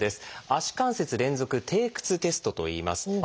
「足関節連続底屈テスト」といいます。